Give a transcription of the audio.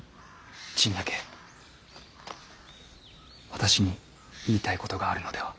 陳和私に言いたいことがあるのでは。